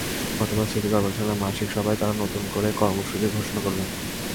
বুধবার সিটি করপোরেশনের মাসিক সভায় তাঁরা নতুন করে কর্মসূচি ঘোষণা করবেন।